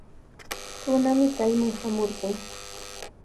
Runami kayman shamurqun.